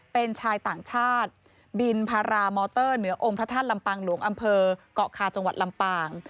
เป็นชายต่างชาติบินพารามอเตอร์เหนือองค์พระธาตุลำปางหลวงอำเภอกเกาะคาจังหวัดลำปาง